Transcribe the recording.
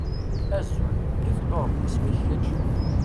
Azul, nekk d Tom. Isem-ik kečč?